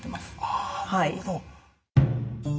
ああなるほど。